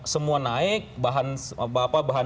semua naik bahan